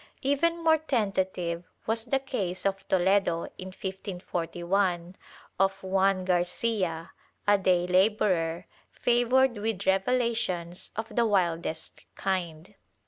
* Even more tentative was the case of Toledo, in 1541, of Juan Garcia, a day laborer, favored with revelations of the wildest kind.